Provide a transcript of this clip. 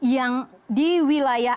yang di wilayah